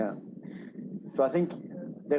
jadi saya pikir